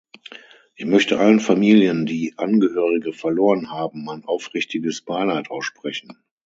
Ich möchte allen Familien, die Angehörige verloren haben, mein aufrichtiges Beileid aussprechen.